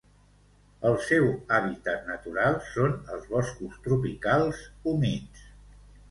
El seu hàbitat natural són els boscos tropicals humits.